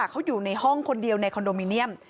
เขาอยู่ในห้องคนเดียวในคอนโดมิเนียม